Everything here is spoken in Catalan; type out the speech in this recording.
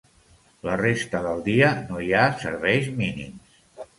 La resta del dia no hi ha serveis mínims.